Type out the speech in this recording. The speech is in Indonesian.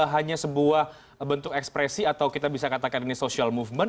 hanya sebuah bentuk ekspresi atau kita bisa katakan ini social movement